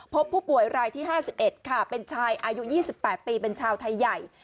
พบผู้ป่วยรายที่๕๑ค่ะเป็นชายอายุ๒๘ปีเป็นชาวไทยใหญ่